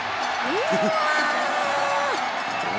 うわ。